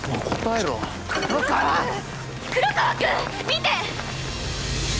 見て！